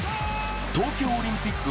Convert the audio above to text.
東京オリンピック